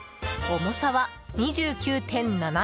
重さは２９．７ｇ。